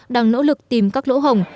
đang nỗ lực tìm các lỗ hồng